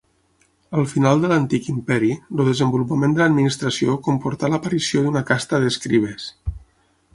Al final de l'Antic Imperi, el desenvolupament de l'administració comportar l'aparició d'una casta d'escribes.